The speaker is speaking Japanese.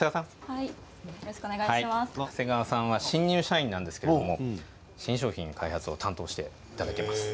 長谷川さんは新入社員なんですけれど新商品の開発を担当しています。